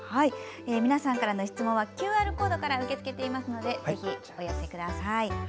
皆さんからの質問はＱＲコードからも受け付けていますのでぜひお寄せください。